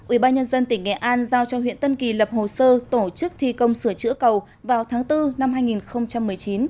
ubnd tỉnh nghệ an giao cho huyện tân kỳ lập hồ sơ tổ chức thi công sửa chữa cầu vào tháng bốn năm hai nghìn một mươi chín